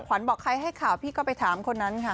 ขวัญบอกใครให้ข่าวพี่ก็ไปถามคนนั้นค่ะ